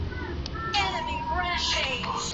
在肯尼亚和坦桑尼亚有从日本出口的二手车辆。